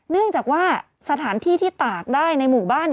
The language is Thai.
เนื่องจากว่าสถานที่ที่ตากได้ในหมู่บ้าน